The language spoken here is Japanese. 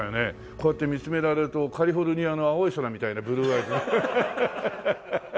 こうやって見つめられると『カリフォルニアの青い空』みたいなブルーアイズ。